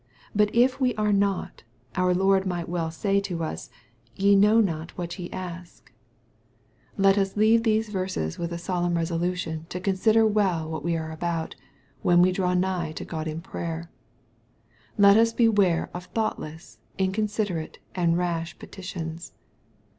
But if we are not, out Lord might well say to us, " Ye know not what ye asf MATTHEW, CHAP. XX. 255 Let us leave these verses with a solemn rosolation to uousider well what we are about, when we draw nigh to God in prayer. Let us beware of thoughtless, incon siderate and rash petitions.